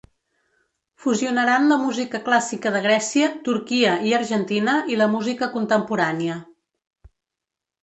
Fusionaran la música clàssica de Grècia, Turquia i Argentina i la música contemporània.